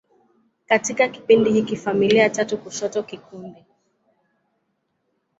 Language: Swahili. Katika kipindi hiki, familia tatu kushoto kikundi.